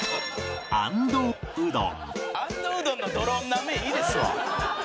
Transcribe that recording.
「安藤うどんのドローンなめいいですわ」